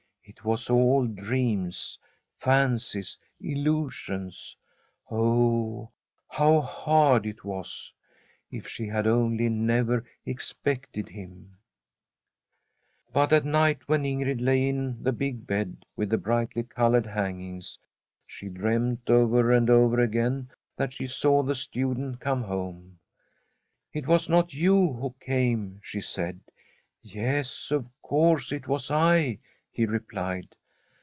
It was all dreams, fancies, illusions ! Oh, how hard it was I If she had only never expected him ! But at night, when Ingrid lay in the big bed with the brightly coloured hangings, she dreamt over and over again that she saw the student come home. ' It was not you who came/ she [77\ ¥rm a SWEDISH HOMESTEAD said. ' Yes, of course it was 1/ he replied.